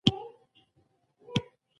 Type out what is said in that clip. لوډسپیکران مخ ته کښېږده !